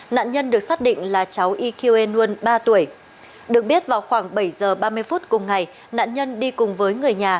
nạn nhân được xác định là cháu yqenun ba tuổi được biết vào khoảng bảy giờ ba mươi phút cùng ngày nạn nhân đi cùng với người nhà